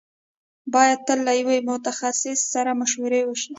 بايد تل له يوه متخصص سره مشوره وشي.